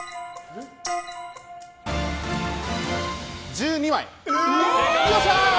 １２枚。